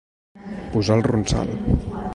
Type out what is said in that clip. Posar el ronsal.